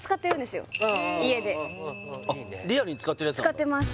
家でリアルに使ってるやつなんだ使ってます